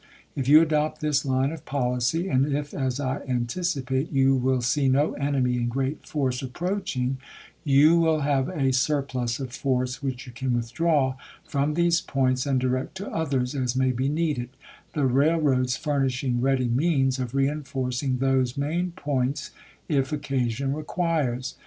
If you adopt this line of policy, and if, as I anticipate, you will see no enemy in great force ap proaching, you will have a surplus of force, which you can withdi'aw from these points and direct to others, as may be needed, the railroads furnishing ready means of reenforcing those main points, if occasion requires.